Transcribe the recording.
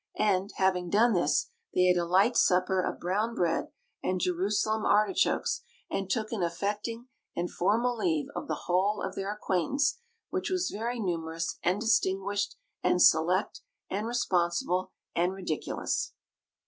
And, having done this, they ate a light supper of brown bread and Jerusalem artichokes, and took an affecting and formal leave of the whole of their acquaintance, which was very numerous and distinguished and select and responsible and ridiculous.